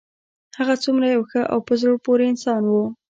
هغه څومره یو ښه او په زړه پورې انسان و